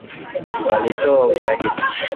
Walitoa ushahidi